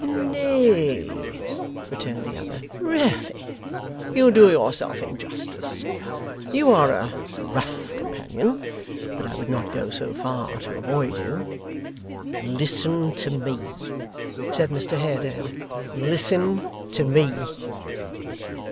'Nay,' returned the other 'really you do yourself injustice. You are a rough companion, but I would not go so far to avoid you.' 'Listen to me,' said Mr Haredale. 'Listen to me.